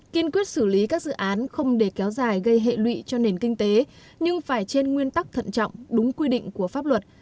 kiên quyết xử lý các dự án không để kéo dài gây hệ lụy cho nền kinh tế nhưng phải trên nguyên tắc thận trọng đúng quy định của pháp luật